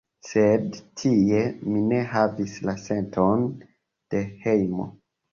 Sed tie mi ne havis la senton de hejmo.